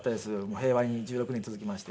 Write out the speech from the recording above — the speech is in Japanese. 平和に１６年続きまして。